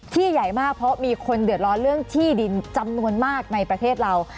ใหญ่มากเพราะมีคนเดือดร้อนเรื่องที่ดินจำนวนมากในประเทศเรา